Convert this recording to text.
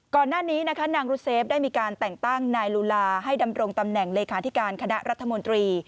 ก่อนหน้านี้นะคะนางรุเซฟได้มีการแต่งตั้งนายลูลาให้ดำรงตำแหน่งเลขาธิการคณะรัฐมนตรี